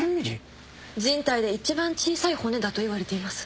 人体で一番小さい骨だといわれています。